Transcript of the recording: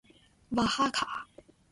瓦哈卡。